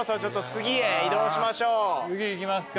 次行きますか。